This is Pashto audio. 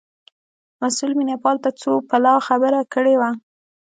مسئول مینه پال ته څو پلا خبره کړې وه.